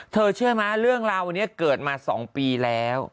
เชื่อมั้ยเรื่องราวนี้เกิดมา๒ปีแล้ว